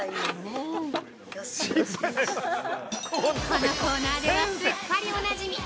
このコーナーではすっかりおなじみ！